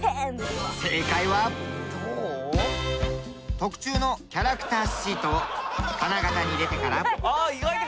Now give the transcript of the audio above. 特注のキャラクターシートを金型に入れてから。